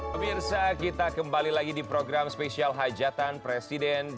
pemirsa kita kembali lagi di program spesial hajatan presiden jokowi